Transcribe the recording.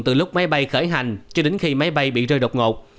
từ lúc máy bay khởi hành cho đến khi máy bay bị rơi độc ngột